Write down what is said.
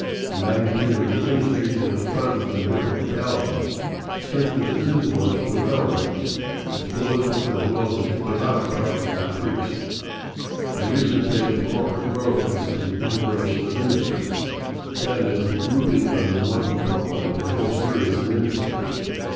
The magnitude of the industry and its presence in different localities strengthens its influence with the railroads. Its political as well as its economic power is increased. [Sidenote: Integration of industry] A recent phase of corporate growth is the "integration of industry," that is, the grouping under one control of a whole series of industries.